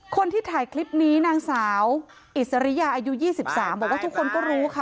คนที่ถ่ายคลิปนี้นางสาวอิสริยาอายุ๒๓บอกว่าทุกคนก็รู้ค่ะ